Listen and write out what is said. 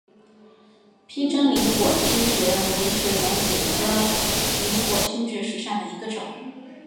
披针鳞果星蕨为水龙骨科鳞果星蕨属下的一个种。